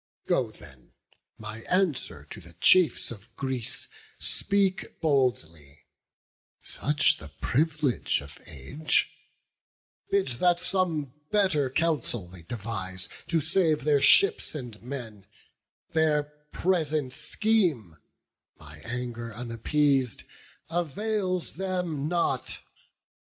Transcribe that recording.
Go then; my answer to the chiefs of Greece Speak boldly—such the privilege of age— Bid that some better counsel they devise To save their ships and men; their present scheme, My anger unappeas'd, avails them nought.